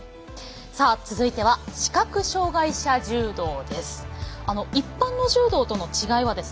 続いては視覚障がい者柔道です。